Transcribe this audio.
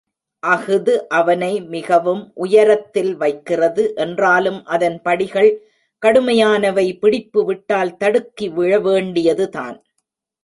அஃது அவனை மிகவும் உயரத்தில் வைக்கிறது என்றாலும் அதன் படிகள் கடுமையானவை பிடிப்பு விட்டால் தடுக்கி விழவேண்டியதுதான்.